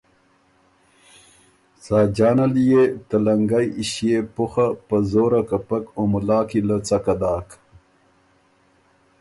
ساجان ال يې ته لنګئ ݭيې پُخه په زوره کپک او مُلا کی له څکه داک۔